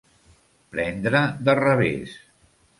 Prendre de revés.